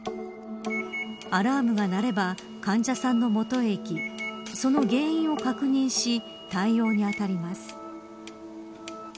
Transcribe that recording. アラームが鳴れば患者さんの元へ行きその原因を確認し対応に当たります。